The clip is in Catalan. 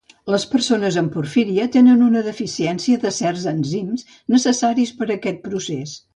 Les persones amb porfíria tenen una deficiència de certs enzims necessaris per aquest procés